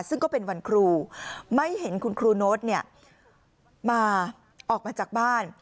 ซึ่งก็เป็นวันครูไม่เห็นคุณครูโน๊ตมาออกมาจากบ้าน